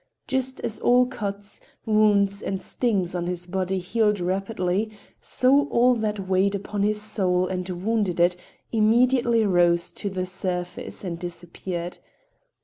Just as all cuts, wounds and stings on his body healed rapidly, so all that weighed upon his soul and wounded it immediately rose to the surface and disappeared.